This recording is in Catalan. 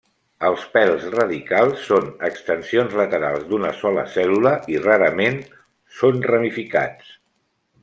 Els pèls radicals són extensions laterals d'una sola cèl·lula i rarament són ramificats.